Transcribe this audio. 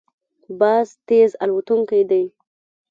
باز تېز الوتونکی دی